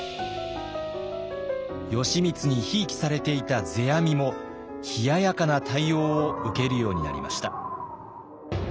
義満にひいきされていた世阿弥も冷ややかな対応を受けるようになりました。